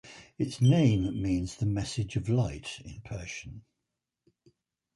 Its name means "The message of Light" in Persian.